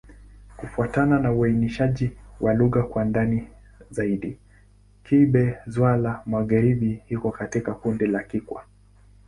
Kufuatana na uainishaji wa lugha kwa ndani zaidi, Kigbe-Xwla-Magharibi iko katika kundi la Kikwa.